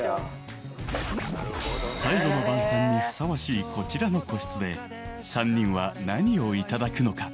［最後の晩さんにふさわしいこちらの個室で３人は何をいただくのか］